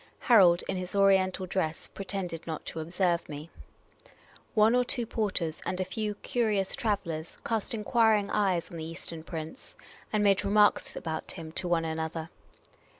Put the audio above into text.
Harold, in his Oriental dress, pretended not to observe me. One or two porters, and a few curious travel lers, cast enquiring eyes on the Eastern prince, and made re marks about him to one another.